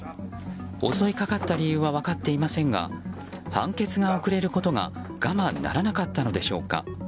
襲いかかった理由は分かっていませんが判決が遅れることが我慢ならなかったのでしょうか。